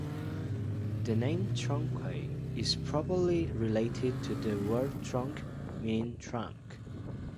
The name "Tronquay" is probably related to the word "tronc" meaning "trunk".